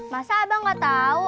masa abang gak tahu